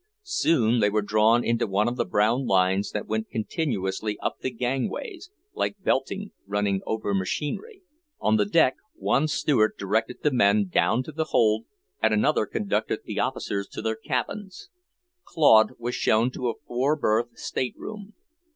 Soon they were drawn into one of the brown lines that went continuously up the gangways, like belting running over machinery. On the deck one steward directed the men down to the hold, and another conducted the officers to their cabins. Claude was shown to a four berth state room.